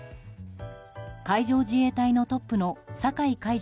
海上自衛隊のトップの酒井海上